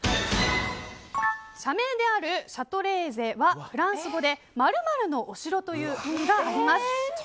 社名であるシャトレーゼはフランス語で○○のお城という意味があります。